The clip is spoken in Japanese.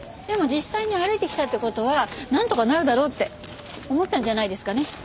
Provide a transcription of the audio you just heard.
でも実際に歩いてきたって事はなんとかなるだろうって思ったんじゃないですかね。